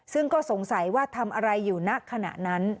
ซึ่งก็สงสัยว่าทำอะไรอยู่ณขณะนั้น